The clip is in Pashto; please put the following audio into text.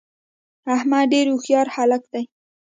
احمدډیرهوښیارهلک ده